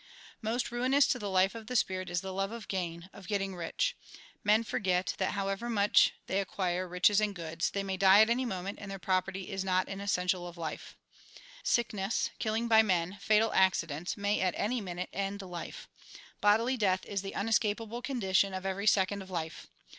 Most ruiuous to the life of the Spirit is the love of gain, of getting rich. Men forget that, however much they acquire riches and goods, they may die at any moment, and their property is not an essen tial of life. Death broods over every one of us. Sickness, kilhng by men, fatal accidents, may at any minute end life. Bodily death is the unescapable condition of every second of life.